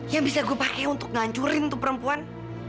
yang bisa gue pakai untuk ngancurin tuh perempuan